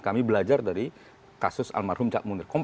kami belajar dari kasus almarhum cak munir